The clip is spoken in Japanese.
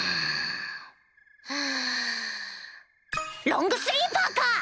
ロングスリーパーか！